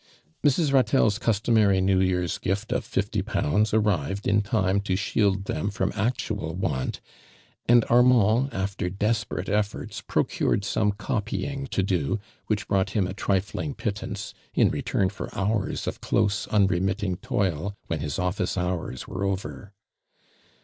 Mrs. Ratclle's customary New Year's gift of fifty pounds arrived in time to shield them from actual want, and Armand after desperate efforts, procured some copy ing to do which brought him a triflmg l>ittance in return for hours of close unre mitting toil when his office houj s wore over.